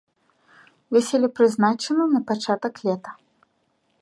Вяселле прызначана на пачатак лета.